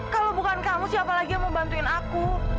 kalau bukan kamu siapa lagi yang mau bantuin aku